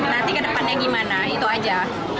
nanti ke depannya gimana itu aja